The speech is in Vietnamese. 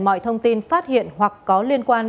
mọi thông tin phát hiện hoặc có liên quan